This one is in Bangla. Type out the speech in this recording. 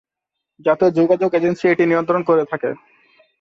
জাতীয় যোগাযোগ এজেন্সি এটি নিয়ন্ত্রণ করে থাকে।